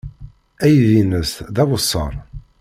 Aydi-nnes d awessar.